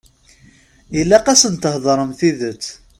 Ilaq asen-theḍṛem tidet.